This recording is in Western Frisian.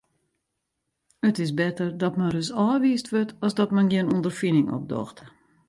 It is better dat men ris ôfwiisd wurdt as dat men gjin ûnderfining opdocht.